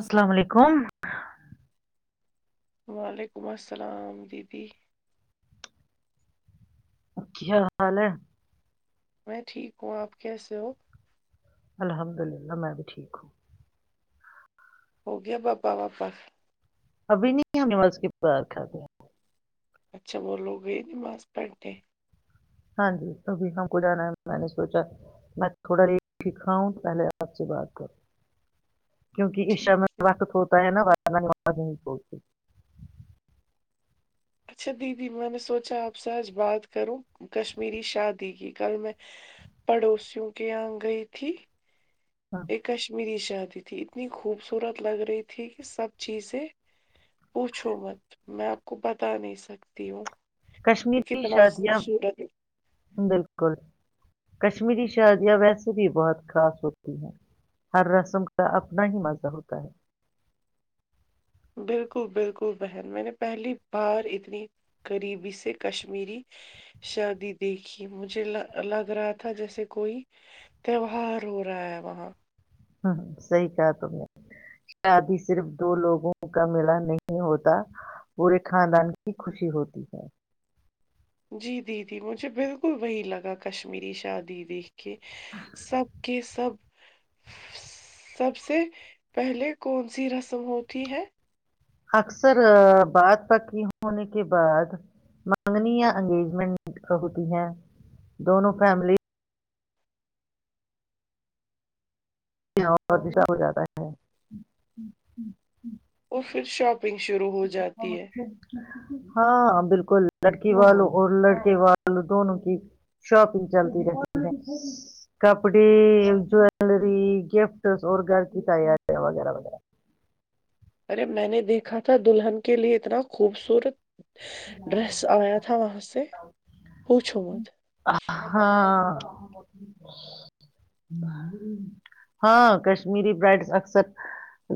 السلام علیکم وعلیکم السلام دیدی کیا حال ہے میں ٹھیک ہوں آپ کیسے ہو؟ الحمد للہ میں بھی ٹھیک ہوں ہو گیا پاپا پاپا ابھی نہیں ہم نواز کے بار کھ اچھا وہ لوگ گئے ن ماس پہنے ہاں جی ابھی ہم کو جانا ہے میں نے سوچا میں تھوڑا ری سکھا ہوں تو پہلے آپ سے بات کروں کیونکہ عشا ٹھیک میں وقت ہوتا ہے نا [unintelligible] اچھا دیدی میں نے سوچا آپ سے آج بات کروں کشمیری شادی کی کل میں پڑوسیوں کے یہاں گئی تھی ہاں، یہ کشمیری ش جاتی تھی اتنی خوبصورت لگ رہی تھی کہ سب چیزیں پوچھو مت میں آپ کو بتا نہیں سکتی ہوں کہ کشمیری کتنا شادیاں خوبصورت بالکل کشمیری شادیاں ویسے بھی بہت خاص ہوتی ہیں ہر رسم کا اپنا ہی مزہ ہوتا ہے بالکل بالکل بہن میں نے پہلی بار اتنی قریبی سے کشمیری شادی دیکھی مجھے لگ رہا تھا جیسے کوئی تہوار ہو رہا ہے وہاں صحیح کہا ت نے شادی صرف دو لوگوں کا ملا نہیں ہوتا پورے خاندان کی خوشی ہوتی ہے جی دیدی مجھے بالکل وہی لگا کشمیری شادی دی کہ سب کے سب سب سے پہلے کون سی رسم ہوتی ہے اکثر بات پکی ہونے کے بعد منگنی یا انگیجمنٹ ہوتی ہے دونوں فیملی اورسا ہو جاتا ہے اور پھر شب نگ شروع ہو جاتی ہے ہاں بالکل لڑکی والوں اور لڑکے والوں دونوں کی شاپنگ چلتی رہتی ہیں کپڑے جیلری گفٹس اور گھر کی تیاریاں وغیرہ وغیرہ ارے میں نے دیکھا تھا دلہن کے لیے اتنا خوبصورت ڈریس آیا تھا وہاں سے پوچھو مت [inaudible] ہاں کشمیری برائڈس اکثر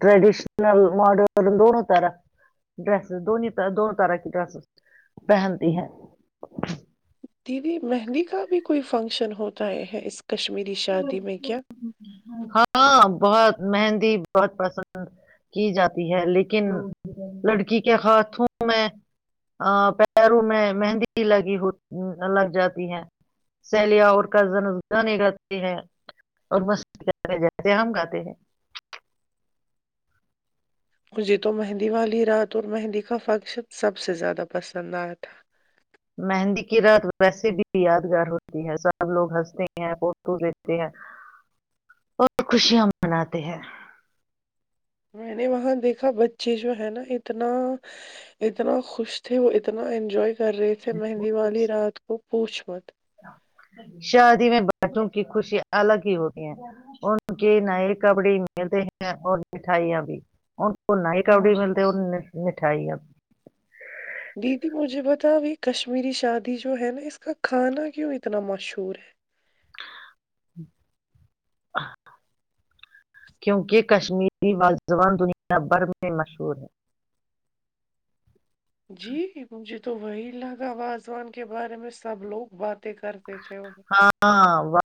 ٹریڈیشنل ماڈرن دونوں طرح ڈریسز د دونوں طرح کی ڈریسز پہنتی ہیں بھیی مہندی کا بھی کوئی فنکشن ہوتا ہے ہے اس کشمیر شادی میں کیا ہاں بہت مہندی بہت پسند کی جاتی ہے لیکن لڑکی کے ہاتھوں میں پیروں میں مہندی لگی ہو لگ جاتی ہے سیلیا اور کزن اس اور مست کر جاتے ہیں ہم گاتے ہیں مجھے تو مہندی والی رات اور مہندی کا فنکشن سب سے زیادہ پسند آیا تھا مہندی کی رات ویسے بھی یادگار ہوتی ہے سب لوگ ہنستے ہیں فوٹو دچتے ہیں اور خوشیاں مناتے ہیں میں نے وہاں دیکھا بچے جو ہے نا اتنا اتنا خوش تھے وہ اتنا انجوائے کر رہے تھے مہندی ہیں والی رات کو پوچ مت شادی میں بچوں کی خوشیا الگ ہی ہوتی ہیں ان کے نئے کپڈی ملتے ہیں اور مٹھائیاں بھی ان کو نئے کپڑی ملتے اور مٹھائیاں بھی دیدی مجھے بتا بھیھ کشمیری شادی جو ہے نا اس کا کھانا کیوں اتنا مشہور ہے کیونکہ کشمیری والوان دنیا بھر میں مشہور ہے جی مھے تو وہی لگا واازوان کے بارے میں سب لوگ بات کرتے تھے وہ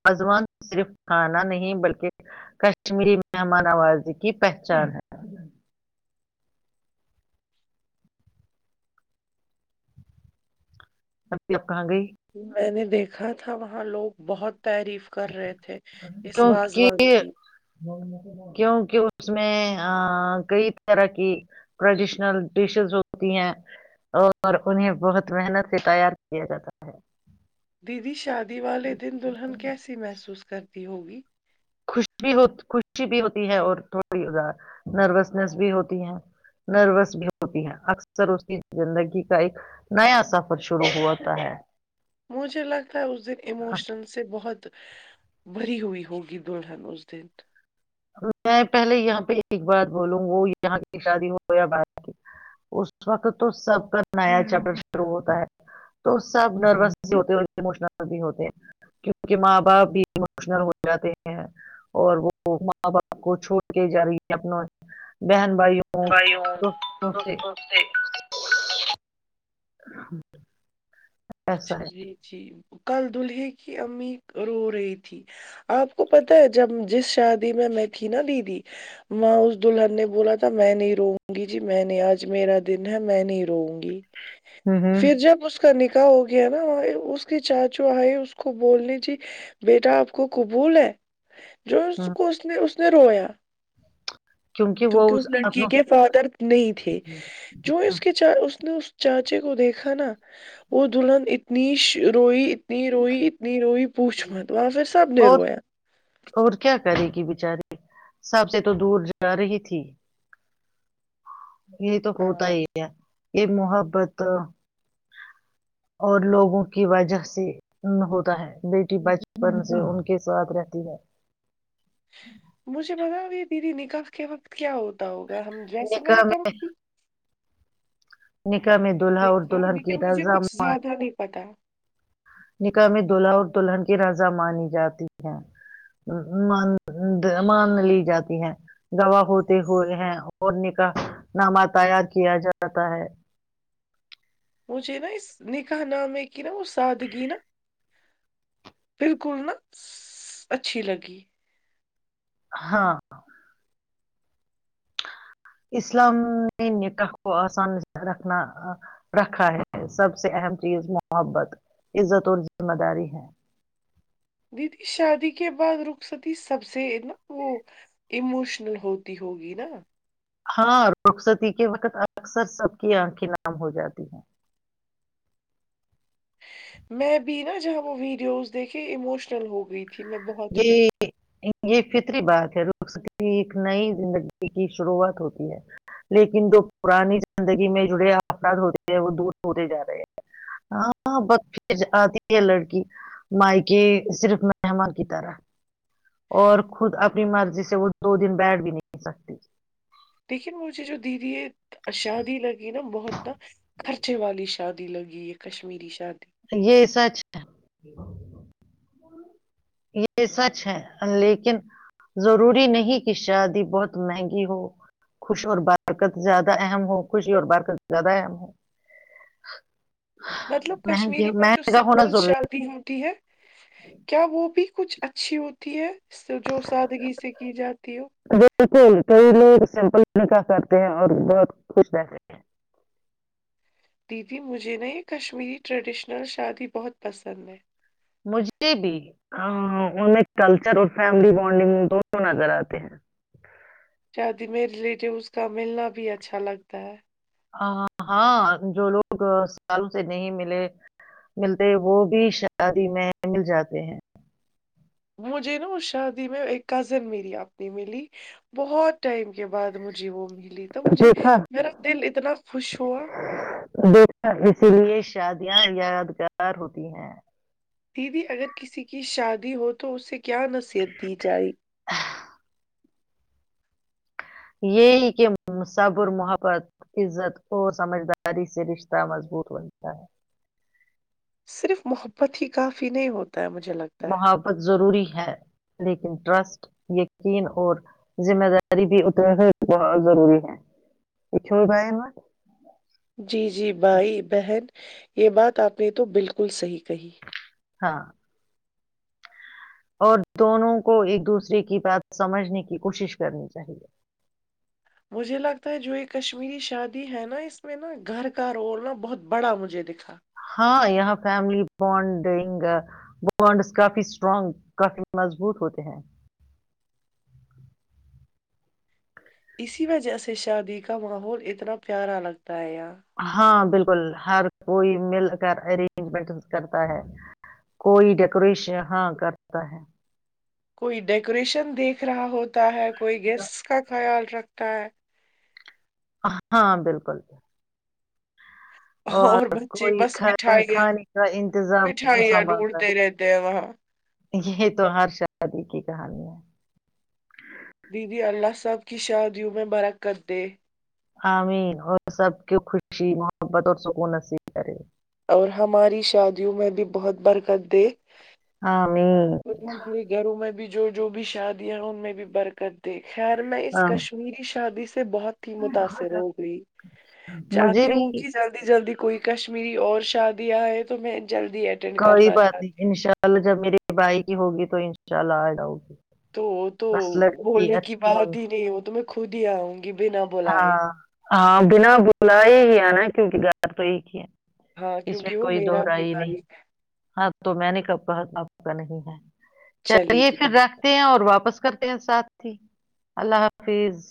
ازوان صرف کھانا نہیں بلکہ کشمیری مہمان آوازی کی پہچان ہے ست کہاں گئی میں نے دیکھا تھا وہاں لوگ بہت تعریف کر رہے تھے اس وازوان کیونکہ کی کیونکہ اس میں کئی طرح کی ٹریڈیشنل ڈشز ہوتی ہیں اور انہیں بہت محنت سے تیار کیا جاتا ہے دی شادی دیوالی دن دلہن کیسی محسوس گرد ہوگی [unintelligible] خوش بھی ہو خوشی بھی ہوتی ہے اور تھوڑی نروسنیس بھی ہوتی ہے نروس بھی ہوتی ہے اکثر اس کی زندگی کا ایک نیا سفر شروع ہوتا ہے مجھے لگتا ہے اس دن ایموشن سے بہت مری ہوئی ہوگی دلہن اس دن میں پہلے یہاں پہ ایک بات بولوں وہ یہاں کی شادی ہو یا ب کی اس وقت تو سب کا نیا چیپٹر شروع ہوتا ہے تو سب نروس بھی ہوتے ہیں اورموشنل بھی ہوتے ہیں کیونکہ ماں باپ بھی اموشنل ہو جاتے ہیں اور وہ [unintelligible] ماں باپ کو چھوڑ کے جا رہی ہے اپنا بہن بھائیوں بھائی اور دوستوں سکھ سکھ سے [unintelligible] ہاں اچھا جی جی کل دلہے کی امی رو رہی تھی آپ کو پتا ہے جب جس شادی میں میں تھی نا دیدی ماں اس دلہن نے بولا تھا میں نہیں رووں گی جی میں نہیں آج میرا دن ہے میں نہیں رووں گی [unintelligible] ہوں ہوں پھر جب اس کا نک ہو گیا نا اس کے چاچو آئے اس کو بولنی جی بیٹا آپ کو قبول ہے ہوں جوک اس نے اس [unintelligible] رویا کیونکہ اس لڑکی کے فادر نہیں تھے جو اس کے چ اس نے چاچے کو دیکھا نا وہ دلہن اتنی روئی ن روئینی روئی پوچھ مت وہاں پھر سب نے اور رویا اور کیا کرے گی بچاری سب سے تو دور جا رہی تھی یہی تو ہوتا ہاں ہی ہے یہ محبت اور لوگوں کی وجہ سے ہوتا ہے بیٹی بچپن سے ان کے ساتھ رہ دووم مجھے پتا کہ دی نکل کے وقت کیا ہوتا ہو تو ہم جیس میں نے نکاح کر تھی نہیں کا میں دولہا اور دلہن کی لیکن مجھے راضم کچھ زیادہ نہیں پتا نکاح میں دولہا اور دلہن کی رضا مانی جاتی ہے م مان لی جاتی ہے گواہ ہوتے ہوئے ہیں اور نکاح نامہ تیار کیا جاتا ہے مجھے نا اس نکح نام میں کہ نا وہ سادگی نا بالکل نا اچھی لگی ہاں اسلام نے نکاح کو آسان رکھا ہے سب سے اہم چیز محبت عزت اور ذمہ داری ہے دیدی شادی کے بعد رخصتی سب سے نا وہ اموشنل ہوتی ہوگی نا ہاں رخصتی کے وقت اکثر سب کی آنکھیں نام ہو جاتی ہیں میں بھی نا جہاں وہ ویڈیوز دیکھے اموشنل ہو گئی تھی میں بہت پھر یہ یہ فطری باد کی ایک نئی زندگی کی شروعات ہوتی ہے لیکن جو پرانی زندگی میں جڑے افراد ہوتے ہیں وہ دور ہوتے جا رہے ہیں ہاں ب پھر آتی ہے لڑکی مائ کے صرف مہمان ا طرح اور خود اپنی مرضی سے وہ دو دن بیٹھ بھی نہیں سکتی لیکن مجھے جو دیدی یہ شادی لگی نا بہت نا خرچے والی شادی لگی یہ کشمیری شادی یہ سچ ہے یہ سچ ہے لیکن ضروری نہیں کہ شادی بہت مہنگی ہو خوش اور برکت زیادہ اہم ہو خوشی اور برکت زیادہ اہم ہو مطلب مہنگی کشمیری میں جو س مہنگا ہونا بول ضروری جلی ہوتی ہے کیا وہ بھی کچھ اچھی ہوتی ہے سے جو سادگی سے کی جاتی ہو ہے بالکل کئی لوگ سمپل نکا کرتے ہیں اور بہت خوش رہتے ہیں دیدی مجھے نا یہ کشمیری ٹریڈیشنل شادی بہت پسند ہے مجھے بھی ان میں کلچر اور فیملی بانڈنگ دونوں نظر آتے ہیں شادی میرے ریلیٹیو اس کا ملنا بھی اچھا لگتا ہے ہاں جو لوگ سالوں سے نہیں ملے ملتے وہ بھی شادی میں مل جاتے ہیں مجھے نا اس شادی میں ایک کزن میری اپنی ملی بہت ٹائم کے بعد مجھے وہ م تو مجھے دیکھا میرا دل اتنا خوش ہوا دیکھا اسی لیے شادیاں یادگار ہوتی ہیں دیدی اگر کسی کی شادی ہو تو اس سے کیا نصیحت دی جائے یہی کہ صبر محبت عزت اور سمجھداری سے رشتہ مضبوط بنتا ہے صرف محبت ہی کافی نہیں ہوتی محبت ضروری ہے لیکن ٹرسٹ یقین اور ذمہ داری بھی اتنا بہت ضروری ہے چھ جی جی بھائی بہن یہ بات آپ نے تو بالکل صحیح کہی ہاں اور دونوں کو ایک دوسرے کی بات سمجھنے کی کوشش کرنی چاہیے مجھے لگتا ہے جو یہ کشمیری شادی ہے نا اس میں نا گھر کا رول نا بہت بڑا مجھے دکھا ہاں یہاں فیملی بانڈنگ بڈس کافی اسٹرانگ کافی مضبوط ہوتے ہیں اسی وجہ سے شادی کا ماحول اتنا پیارا لگتا ہے یہاں ہاں بالکل بکل ہر کوئی مل کر ارینجمنٹ کرتا ہے کوئی ڈیکوریشن ہاں کرتا ہے کوئی ڈیکوریشن دیکھ رہا ہو ہے کوئی گیسٹ کا خیال رکھتا تاا ہاں بالکل بکل اور بچے کوئی بس ک مٹھائیاں کھانے کا انتظام مٹھائیاں سنبھالتا ہے ڈھونڈتے رہتے ہیں وہاں یہ تو ہر شادی کی کہانی ہے دیدی اللہ سب کی شادیوں میں مرکت دے عامین اور سب کے خوشی محبت اور سکون نصیب کرے اور ہماری شادیوں میں بھی بہت برکت دے ہ میں اور ہمارے گھروں میں بھی جو جو بھی شادی ہے ان میں بھی برکت دے خیر میں اس آمین۔ کشمیری شادی سے بہت ہی متاثر ہو گئی مجھے چاہتی ہوں بھی کہ جلدی جلدی کوئی کشمیری اور شادیاں ہے تو میں جلدی اٹینڈ کوئی کرنا بات نہیں چاہتی ان ہوں شاء اللہ جب میرری بائی کی ہوگی تو ان شاء اللہ آڈاؤ گی تو تو بس لڑکی بولنے کی اچھی ہونی بات ہی نہیں وہ تو میں خودیاں بھی نہ بولاائے ہاں ہاں بنا بلا ہی ہی ہے نا کیونکہ گات تو یہ کیا ہے ہاں اس میں کیونکہ وہ کوئی میرا بھی دوہرائی نہیں بھاری ہاں تو میں نے ک کہاپ کا نہیں ہے چلے چلیے جی پھر بہن رکھتے ہیں اور واپس کرتے ہیں سات ہی اللہ حافظ